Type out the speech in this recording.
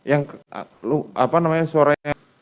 apa namanya suara yang